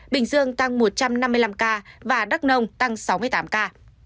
bình dương tăng một trăm năm mươi năm ca và đắk nông tăng sáu mươi tám ca